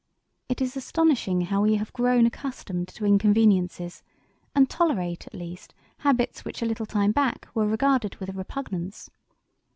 It is astonishing how we have grown accustomed to inconveniences, and tolerate, at least, habits which a little time back were regarded with repugnance.